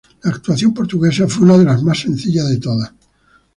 La actuación portuguesa fue una de las más sencillas de todas.